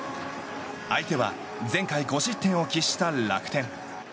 相手は、前回５失点を喫した楽天。